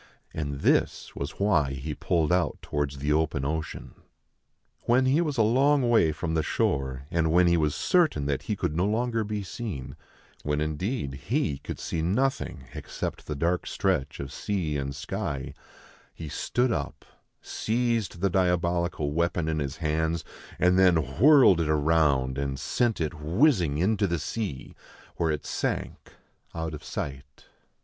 And this was why he pulled out towards the open ocean. When he was a long way from the shore, and when he was certain that he could no longer be seen, when indeed he could see nothing except the dark stretch of sea and sky, he stood up, seized the diabolical weapon in his hands, and then whirled it round, and sent it whizzing into the sea, where it sank out of sight.